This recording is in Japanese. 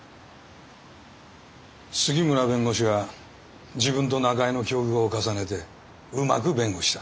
杉村弁護士が自分と中江の境遇を重ねてうまく弁護した。